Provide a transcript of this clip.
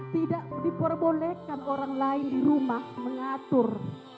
tidak diperbolehkan orang lain di rumah mengatur